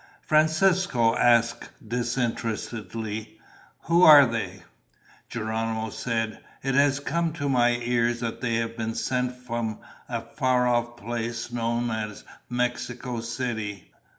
Francisco asked disinterestedly, "Who are they?" Geronimo said, "It has come to my ears that they have been sent from a far off place known as Mexico City.